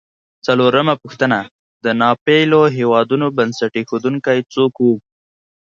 څلورمه پوښتنه: د ناپېیلو هېوادونو بنسټ ایښودونکي څوک و؟